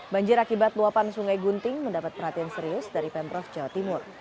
banjir akibat luapan sungai gunting mendapat perhatian serius dari pemprov jawa timur